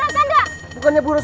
pte gradius tawar tlaughs